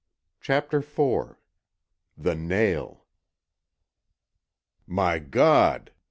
CHAPTER IV THE NAIL "My God!"